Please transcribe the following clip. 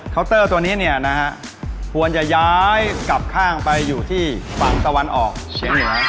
เตอร์ตัวนี้เนี่ยนะฮะควรจะย้ายกลับข้างไปอยู่ที่ฝั่งตะวันออกเชียงเหนือ